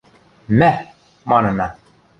– Мӓ! – манына.